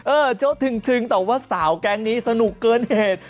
โจ๊ะถึงแต่ว่าสาวแก๊งนี้สนุกเกินเหตุ